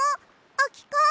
あきかん！？